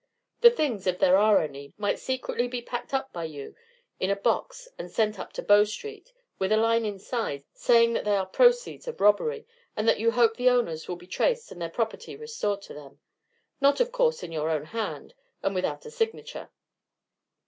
The things, if there are any, might secretly be packed up by you in a box and sent up to Bow Street, with a line inside, saying that they are proceeds of robbery, and that you hope the owners will be traced and their property restored to them. Not, of course, in your own hand, and without a signature.